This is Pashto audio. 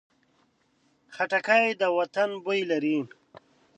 خټکی د وطن بوی لري.